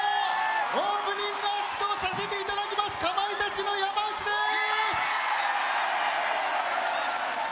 オープニングアクトをさせていただきますかまいたちの山内です！